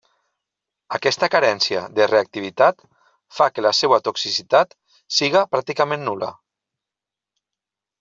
Aquesta carència de reactivitat fa que la seva toxicitat sigui pràcticament nul·la.